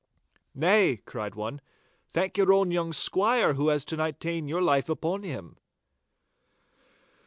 'Nay,' cried one, 'thank your own young squire, who has to night ta'en your life upon him.